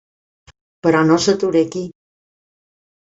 Però no s'atura aquí.